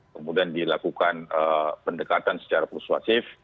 kemudian dilakukan pendekatan secara persuasif